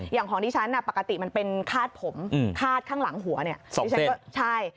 อย่างของที่ฉันน่ะปกติมันเป็นคาดผมคาดข้างหลังหัวเนี่ย